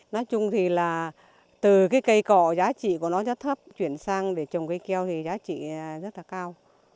nói chung thì là từ cái cây cò giá trị của nó rất thấp chuyển sang để trồng cây keo thì giá trị rất là cao